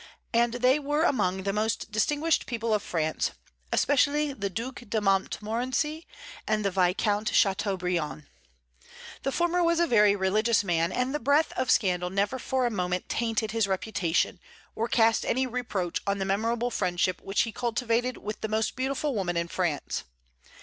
And they were among the most distinguished people of France, especially the Duc de Montmorency and the Viscount Châteaubriand. The former was a very religious man, and the breath of scandal never for a moment tainted his reputation, or cast any reproach on the memorable friendship which he cultivated with the most beautiful woman in France.